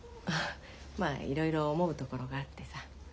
まあいろいろ思うところがあってさ。